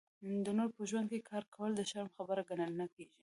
د نورو په ژوند کې کار کول د شرم خبره ګڼل نه کېږي.